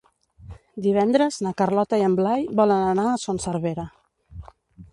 Divendres na Carlota i en Blai volen anar a Son Servera.